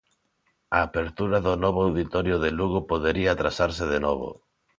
A apertura do novo auditorio de Lugo podería atrasarse de novo.